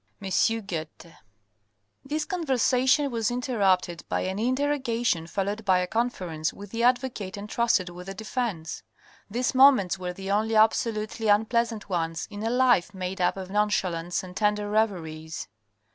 — M. Goethe. This conversation was interrupted by an interrogation followed by a conference with the advocate entrusted with the defence. These moments were the only absolutely unpleasant ones in a life made up of nonchalance and tender reveries.